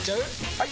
・はい！